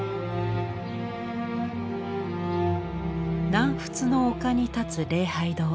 南仏の丘に立つ礼拝堂。